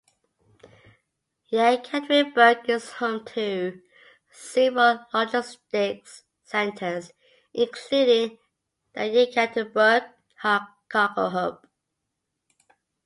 Yekaterinburg is home to several logistics centers, including the Yekaterinburg Cargo Hub.